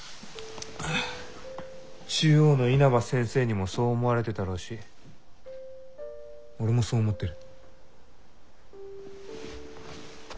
中央の稲葉先生にもそう思われてたろうし俺もそう思ってる。